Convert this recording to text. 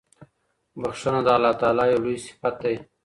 بښنه د الله تعالی یو لوی صفت دی.